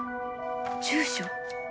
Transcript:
住所。